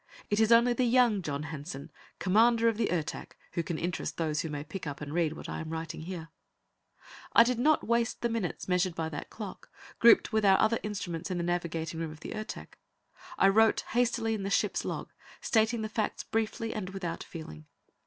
It is only the young John Hanson, Commander of the Ertak, who can interest those who may pick up and read what I am writing here. I did not waste the minutes measured by that clock, grouped with our other instruments in the navigating room of the Ertak. I wrote hastily in the ship's log, stating the facts briefly and without feeling.